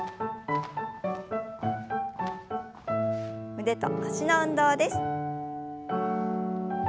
腕と脚の運動です。